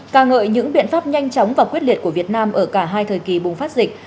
ca ngợi những biện pháp nhanh chóng và quyết liệt của việt nam ở cả hai thời kỳ bùng phát dịch